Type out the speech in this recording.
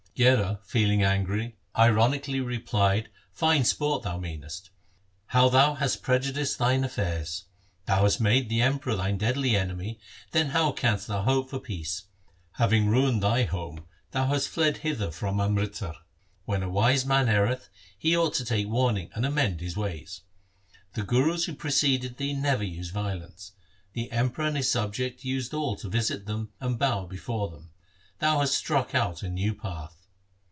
Gherar feeling angry ironically replied, ' Fine sport thou meanest ! How thou hast prejudiced thine affairs ! Thou hast made the Emperor thy deadly enemy, then how canst thou hope for peace ? Having ruined thy home thou hast fled hither from Amritsar. When a wise man erreth, he ought to take warning and amend his ways. The Gurus who preceded thee never used violence. The Em peror and his subjects used all to visit them and bow before them. Thou hast struck out a new path.'